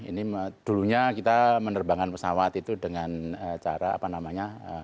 ini dulunya kita menerbangkan pesawat itu dengan cara apa namanya